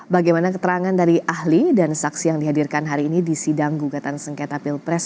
bagaimana keterangan dari ahli dan saksi yang dihadirkan hari ini di sidang gugatan sengketa pilpres